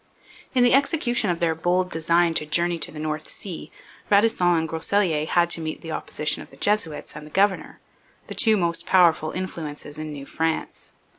In the execution of their bold design to journey to the North Sea, Radisson and Groseilliers had to meet the opposition of the Jesuits and the governor the two most powerful influences in New France.